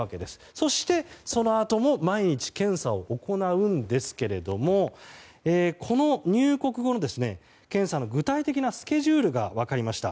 そしてそのあとも毎日検査を行うんですけれども入国後の検査の具体的なスケジュールが分かりました。